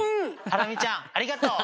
ハラミちゃんありがとう！